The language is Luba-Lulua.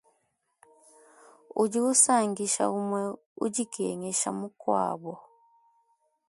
Udi usankisha, umue udikengesha mukuabu.